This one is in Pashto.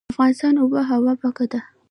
د افغانستان اوبه هوا پاکه ده